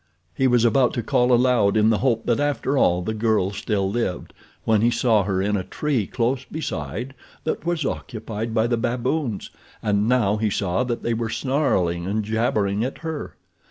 He was about to call aloud in the hope that after all the girl still lived when he saw her in a tree close beside that was occupied by the baboons, and now he saw that they were snarling and jabbering at her.